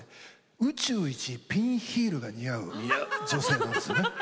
宇宙一ピンヒールが似合う女性なんですね。